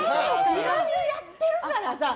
いろいろやってるからさ。